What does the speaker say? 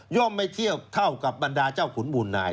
ไม่เที่ยวเท่ากับบรรดาเจ้าขุนบุญนาย